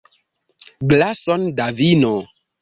Glason da vino.